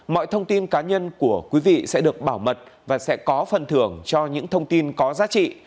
mọi thông tin cá nhân của quý vị sẽ được bảo mật và sẽ có phần thưởng cho những thông tin có giá trị